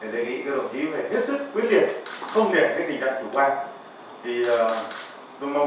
đề nghị các đồng chí phải hết sức quyết liệt không để tình trạng chủ quan